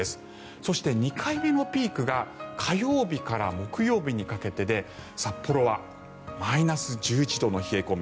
そして、２回目のピークが火曜日から木曜日にかけてで札幌はマイナス１１度の冷え込み。